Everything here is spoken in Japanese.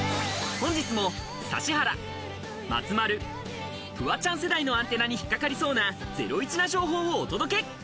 本日も指原、松丸、フワちゃん世代のアンテナに引っ掛かりそうなゼロイチな情報をお届け！